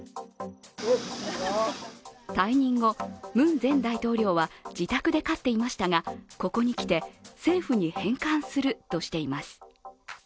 退任後、ムン前大統領は自宅で飼っていましたがここにきて、政府に返還するとしています。